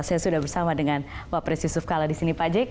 saya sudah bersama dengan wapres yusuf kala di sini pak jk